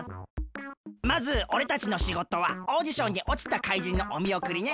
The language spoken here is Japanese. まずおれたちのしごとはオーディションにおちた怪人のおみおくりね。